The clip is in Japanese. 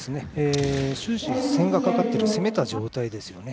終始線がかかって攻めた状態ですよね。